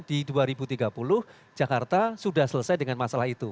jadi dua ribu tiga puluh jakarta sudah selesai dengan masalah itu